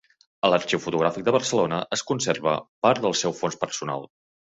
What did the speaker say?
A l'Arxiu Fotogràfic de Barcelona es conserva part del seu fons personal.